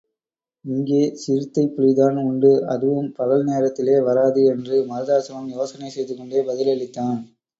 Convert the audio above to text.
இங்கே சிறுத்தைப் புலிதான் உண்டு அதுவும் பகல் நேரத்திலே வராது என்று மருதாசலம் யோசனை செய்து கொண்டே பதிலளித்தான்.